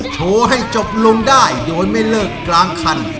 โชว์ให้จบลงได้โดยไม่เลิกกลางคัน